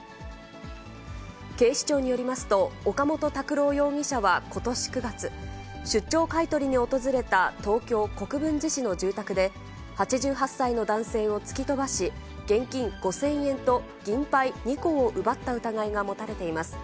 警視庁によりますと、岡本拓朗容疑者はことし９月、出張買い取りに訪れた東京・国分寺市の住宅で、８８歳の男性を突き飛ばし、現金５０００円と銀杯２個を奪った疑いが持たれています。